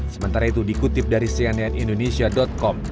sementara itu dikutip dari cnn indonesia com